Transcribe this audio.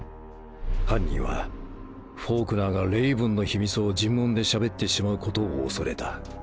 犯人はフォークナーがレイブンの秘密を尋問で喋ってしまうことを恐れた